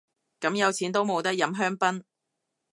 咁有錢都冇得飲香檳